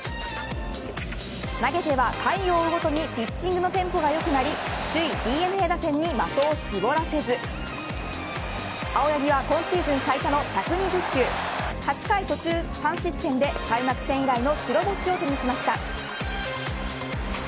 投げては、回を追うごとにピッチングのテンポが良くなり首位ＤｅＮＡ打線に的を絞らせず青柳は今シーズン最多の１２０球８回途中３失点で開幕戦以来の白星を手にしました。